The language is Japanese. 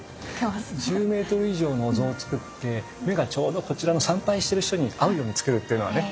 １０ｍ以上のお像を造って目がちょうどこちらの参拝してる人に合うように造るっていうのはね。